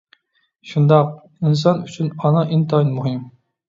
شۇنداق، ئىنسان ئۈچۈن ئانا ئىنتايىن مۇھىم.